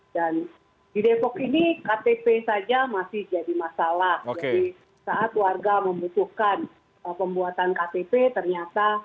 dan di depok ini ktp saja masih jadi masalah oke saat warga membutuhkan pembuatan ktp ternyata